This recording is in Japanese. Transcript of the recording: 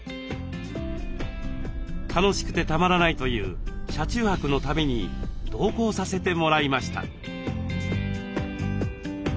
楽しくてたまらないという車中泊の旅に同行させてもらいました。